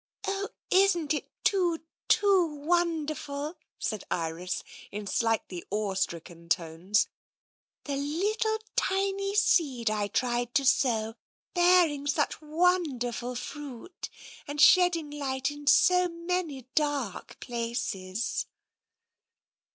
"Oh, isn't it too, too wonderful?" said Iris, in slightly awe strickeil tones. "The little tiny seed I tried to sow bearing such wonderful fruit and shed ding light in so many dark places!